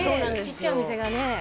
ちっちゃいお店がね